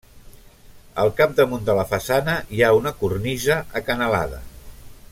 Al capdamunt de la façana hi ha una cornisa acanalada.